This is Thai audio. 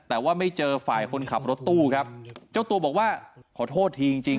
แต่ว่าไม่เจอฝ่ายคนขับรถตู้ครับเจ้าตัวบอกว่าขอโทษทีจริงจริง